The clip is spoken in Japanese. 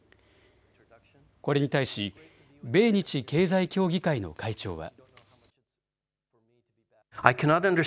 これに対し米日経済協議会の会長は。